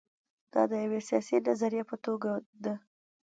دا د یوې سیاسي نظریې په توګه ده.